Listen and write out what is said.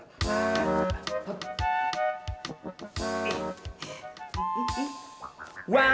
sial sial sial